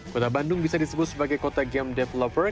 kota bandung bisa disebut sebagai kota game developer